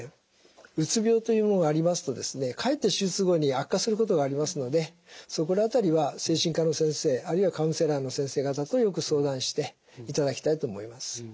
うつ病というものがありますとかえって手術後に悪化することがありますのでそこら辺りは精神科の先生あるいはカウンセラーの先生方とよく相談していただきたいと思います。